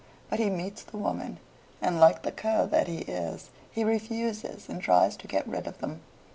But he meets the woman, and, like the cur that he is, he refuses, and tries to get rid of them.